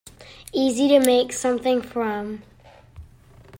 Easy to make something from.